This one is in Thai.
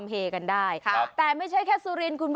โหสุดยอด